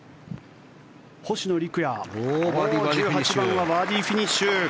星野陸也、１８番はバーディーフィニッシュ。